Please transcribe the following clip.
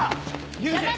流星！